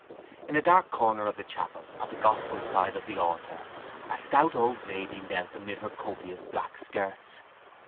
In a dark corner of the chapel at the gospel side of the altar a stout old lady knelt amid her copious black skirts.